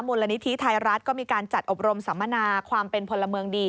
มูลนิธิไทยรัฐก็มีการจัดอบรมสัมมนาความเป็นพลเมืองดี